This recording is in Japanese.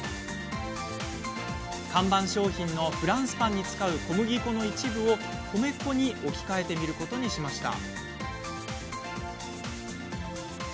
看板商品のフランスパンに使う小麦粉の一部を米粉に置き換えてみることにしました。